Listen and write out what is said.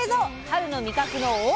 春の味覚の王様！